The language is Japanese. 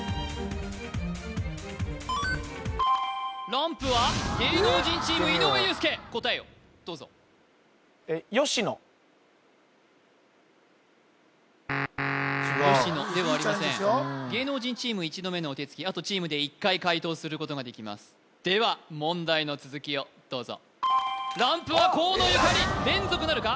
ランプは芸能人チーム井上裕介答えをどうぞ吉野ではありません芸能人チーム１度目のお手付きあとチームで１回解答することができますでは問題の続きをどうぞランプは河野ゆかり連続なるか？